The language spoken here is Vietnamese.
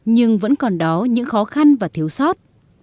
nhưng vẫn còn đó những khó khăn và thiếu sót